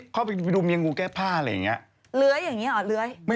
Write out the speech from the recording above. เข้าไปดูเมียงูแก้ผ้าอะไรอย่างเงี้ย